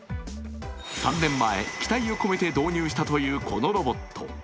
３年前、期待を込めて導入したというこのロボット。